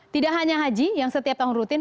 tidak hanya haji yang setiap tahun rutin